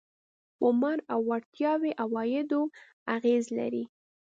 عمر او وړتیاوې عوایدو اغېز لري.